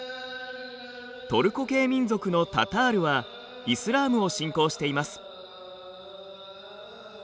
トルコ系民族のタタールはイスラームを信仰しています。